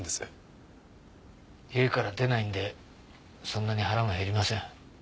家から出ないんでそんなに腹も減りません。